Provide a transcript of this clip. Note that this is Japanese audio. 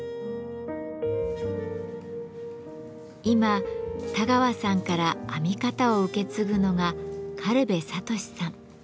今田川さんから編み方を受け継ぐのが軽部聡さん。